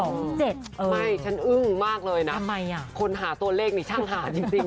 ไม่ฉันอึ้งมากเลยนะคนหาตัวเลขนี่ช่างหาจริงเนี่ย